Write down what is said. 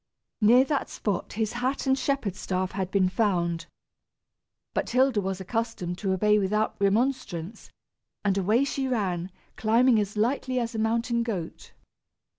Near that spot his hat and shepherd staff had been found. But Hilda was accustomed to obey without remonstrance, and away she ran, climbing as lightly as a mountain goat.